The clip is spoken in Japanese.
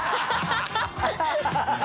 ハハハ